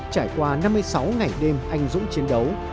trải qua năm mươi sáu ngày đêm anh dũng chiến đấu